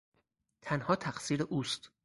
تنها تقصیر اوست.